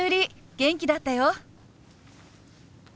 元気だったよ。